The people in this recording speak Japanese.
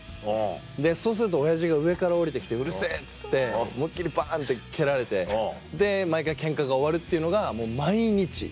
そうすると親父が上から下りて来て「うるせぇ」っつって思いっ切りバン！って蹴られてで毎回ケンカが終わるっていうのがもう毎日。